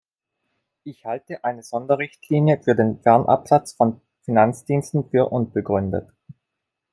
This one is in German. Ich halte eine Sonderrichtlinie für den Fernabsatz von Finanzdiensten für unbegründet.